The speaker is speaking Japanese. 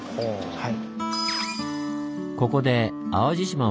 はい。